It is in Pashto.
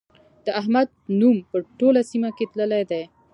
د احمد نوم په ټوله سيمه کې تللی دی.